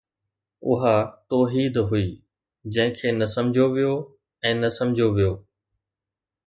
اها توحيد هئي جنهن کي نه سمجھيو ويو ۽ نه سمجھيو ويو